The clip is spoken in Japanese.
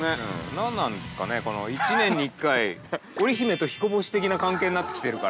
◆何なんですかね、この１年に１回、織り姫とひこ星的な関係になってきてるから。